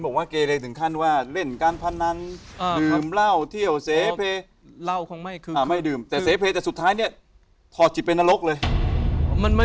แต่เสณ์แผนแต่สุดท้ายเถาจิตเป็นอลกเลย